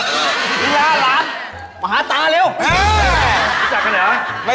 คุยกับใครอะ